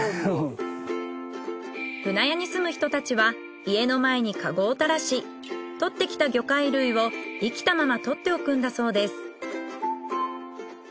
舟屋に住む人たちは家の前にかごをたらしとってきた魚介類を生きたままとっておくんだそうです。